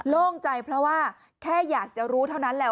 โล่งใจเพราะว่าแค่อยากจะรู้เท่านั้นแหละ